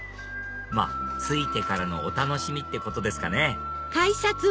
まぁ着いてからのお楽しみってことですかね